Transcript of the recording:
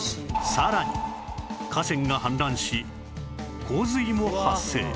さらに河川が氾濫し洪水も発生